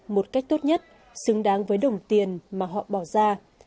một cách tốt nhất xứng đáng với đồng tiền mà họ bỏ ra